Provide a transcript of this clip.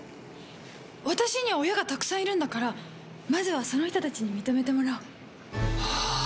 私には親がたくさんいるんだから、まずはその人たちに認めてもらおう。